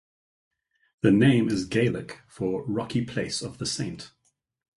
The name is Gaelic for "rocky place of the saint".